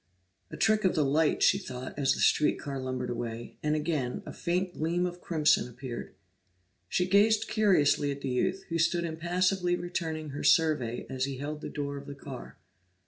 "A trick of the light," she thought, as the street car lumbered away, and again a faint gleam of crimson appeared. She gazed curiously at the youth, who stood impassively returning her survey as he held the door of the car.